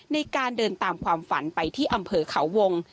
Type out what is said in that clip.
ในการเดินตามความฝันไปที่อำเภอเขาวง